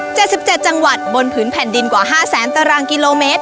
๗๗จังหวัดบนผืนแผ่นดินกว่า๕๐๐ตารางกิโลเมตร